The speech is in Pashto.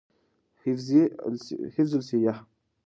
حفظی الصیحه